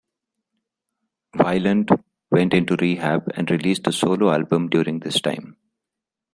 Weiland went into rehab and released a solo album during this time.